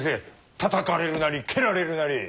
たたかれるなり蹴られるなり。